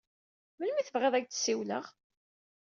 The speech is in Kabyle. Melmi i tebɣiḍ ad ak-d-siwleɣ?